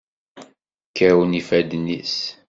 Kkawen ifadden-is.